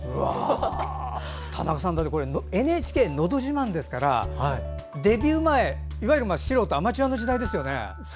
田中さん「ＮＨＫのど自慢」ですからデビュー前、いわゆる素人アマチュアの時代ですよね。